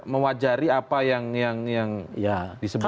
mewajari apa yang disebut